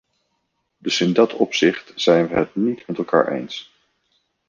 Dus in dat opzicht zijn we het niet met elkaar eens.